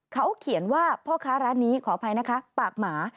เขาเขียนว่าพ่อค้าร้านนี้ขออภัยนะคะปากหมา